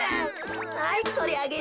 はいこれあげる。